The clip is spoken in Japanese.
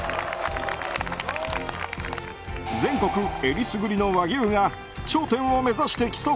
全国選りすぐりの和牛が頂点を目指して競う